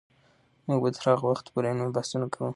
موږ به تر هغه وخته پورې علمي بحثونه کوو.